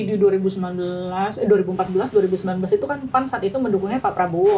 di dua ribu empat belas dua ribu sembilan belas itu kan pan saat itu mendukungnya pak prabowo